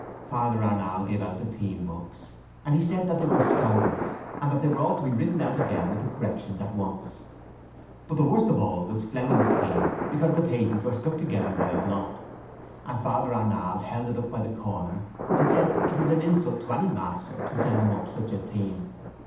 Father Arnall gave out the themebooks and he said that they were scandalous and that they were all to be written out again with the corrections at once. But the worst of all was Fleming's theme because the pages were stuck together by a blot: and Father Arnall held it up by a corner and said it was an insult to any master to send him up such a theme.